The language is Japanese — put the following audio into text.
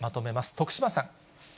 徳島さん。